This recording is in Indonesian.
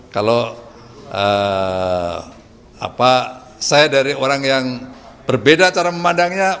kalau saya dari orang yang berbeda cara memandangnya